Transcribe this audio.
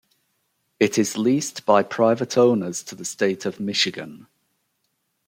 It is leased by private owners to the state of Michigan.